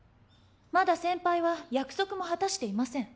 まだ先輩は約束も果たしていません。